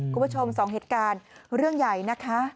คุณผู้ชมสองเหตุการณ์เรื่องใหญ่นะคะ